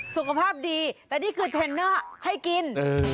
สุขภาพดีแต่นี่คือเทรนเนอร์ให้กิน